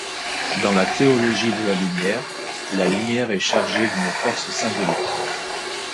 Dans la théologie de la Lumière, la lumière est chargée d'une force symbolique.